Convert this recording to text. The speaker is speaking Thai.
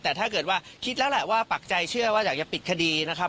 แต่ถ้าเกิดว่าคิดแล้วแหละว่าปักใจเชื่อว่าอยากจะปิดคดีนะครับ